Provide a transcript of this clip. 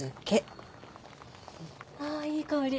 ああいい香り。